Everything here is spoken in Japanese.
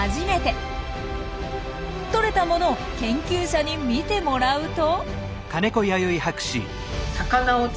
撮れたものを研究者に見てもらうと。